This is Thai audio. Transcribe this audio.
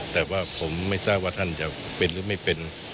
แต่ว่าผมไม่ทราบว่าท่านจะเป็นหรือไม่เป็น